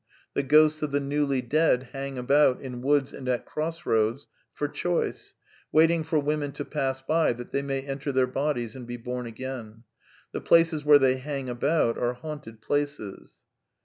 The ghosts of the newly dead hang about, in woods and at cross roads, for choice, waiting for women to pass by that they may enter their bodies and be bom again. The places where they hang about are haunted places.